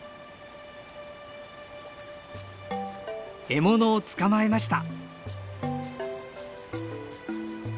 獲物を捕まえました。